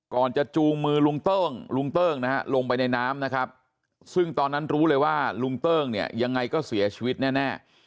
จะจูงมือลุงเติ้งลุงเติ้งนะฮะลงไปในน้ำนะครับซึ่งตอนนั้นรู้เลยว่าลุงเติ้งเนี่ยยังไงก็เสียชีวิตแน่